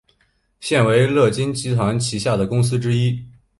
现为乐金集团旗下的公司之一。